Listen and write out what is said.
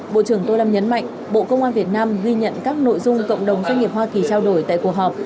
bộ trưởng tô lâm nhấn mạnh bộ công an việt nam ghi nhận các nội dung cộng đồng doanh nghiệp hoa kỳ trao đổi tại cuộc họp